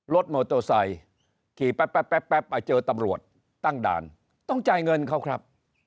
รถมอเตอร์ไซค์ขี่แป๊บมาเจอตำรวจตั้งด่านต้องจ่ายเงินเขาครับ